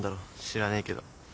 知らねえけど。